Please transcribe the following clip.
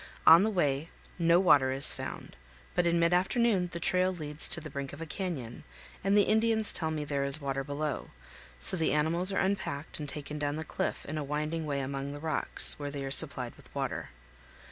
On the way no water is found, but in mid afternoon the trail leads to the brink of a canyon, and the Indians tell me there is water below; so the animals are unpacked and taken down the cliff in a winding way among the rocks, where they are supplied with water.